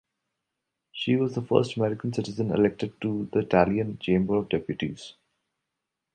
She was the first American citizen elected to the Italian Chamber of Deputies.